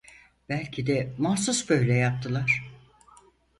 Belki de mahsus böyle yaptılar…